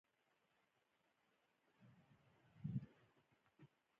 • شیدې د عضلاتو د ترمیم لپاره یو ښه خواړه دي.